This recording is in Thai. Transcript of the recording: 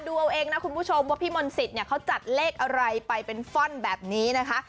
ดูเอาเองนะคุณผู้ชมว่าพี่มนต์สิทธิ์เนี่ยเขาจัดเลขอะไรไปเป็นฟ่อนแบบนี้นะคะ